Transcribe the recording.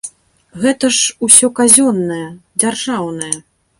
Гэта ж усё казённае, дзяржаўнае!